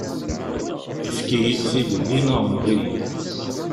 Efk-iyi-d tilelli neɣ enɣ-iyi.